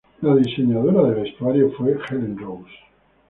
Diseñadora de vestuario fue Helen Rose.